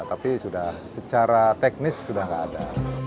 tapi sudah secara teknis sudah tidak ada